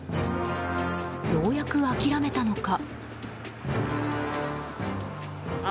ようやく諦めたのか。